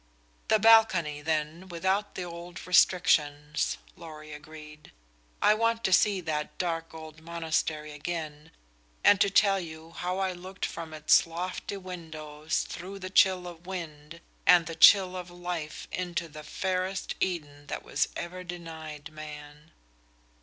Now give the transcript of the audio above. "The balcony, then, without the old restrictions," Lorry agreed. "I want to see that dark old monastery again, and to tell you how I looked from its lofty windows through the chill of wind and the chill of life into the fairest Eden that was ever denied man."